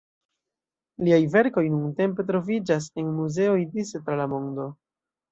Liaj verkoj nuntempe troviĝas en muzeoj dise tra la mondo.